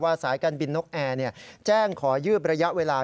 สายการบินนกแอร์แจ้งขอยืดระยะเวลา